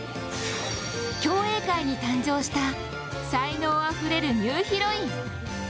競泳界に誕生した才能あふれるニューヒロイン。